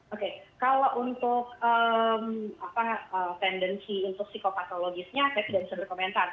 oke kalau untuk pendensi psikopatologisnya saya tidak bisa berkomentar